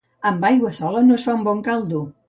Amb aigua sola no es fa bon caldo.